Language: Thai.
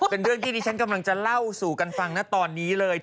เป็นเรื่องที่ดิฉันกำลังจะเล่าสู่กันฟังนะตอนนี้เลย